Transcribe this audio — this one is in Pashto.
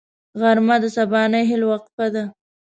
غرمه د سبانۍ هيلو وقفه ده